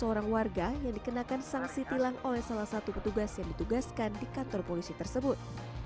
seorang warga yang dikenakan sanksi tilang oleh salah satu petugas yang ditugaskan di kantor polisi tersebut